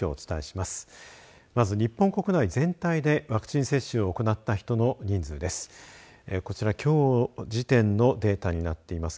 まず日本国内全体でワクチン接種を行った人の人数です。